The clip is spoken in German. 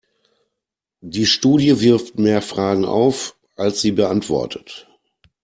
Die Studie wirft mehr Fragen auf, als sie beantwortet.